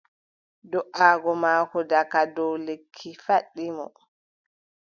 Do"aago maako daga dow lekki faɗɗi mo.